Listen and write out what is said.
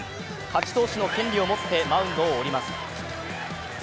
勝ち投手の権利を持ってマウンドを降ります。